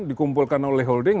dikumpulkan oleh holding